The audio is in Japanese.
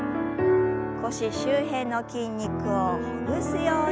腰周辺の筋肉をほぐすように。